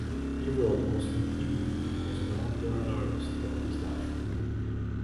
He wrote mostly in Hebrew, and was an avant-garde artist throughout his life.